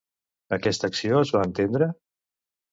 Aquesta acció es va estendre?